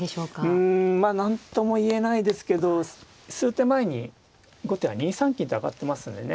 うんまあ何とも言えないですけど数手前に後手は２三金と上がってますのでね